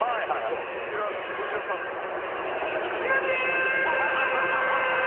そちらどちらさんですか？